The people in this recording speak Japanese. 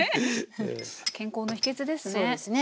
健康の秘けつですね。